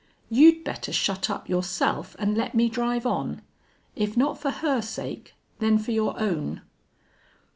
You'd better shut up yourself and let me drive on.... If not for her sake, then for your own."